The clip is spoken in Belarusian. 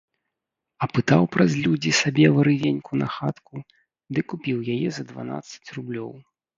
Апытаў праз людзі сабе варывеньку на хатку ды купіў яе за дванаццаць рублёў.